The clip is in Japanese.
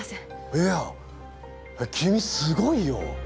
いや君すごいよ。